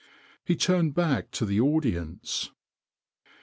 He turned back to the audience.